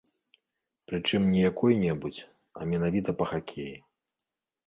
Прычым не якой-небудзь, а менавіта па хакеі.